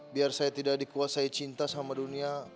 biar saya tidak dikuasai cinta sama dunia